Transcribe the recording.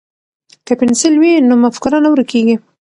که پنسل وي نو مفکوره نه ورکیږي.